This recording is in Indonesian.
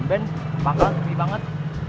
mben bakal sepi banget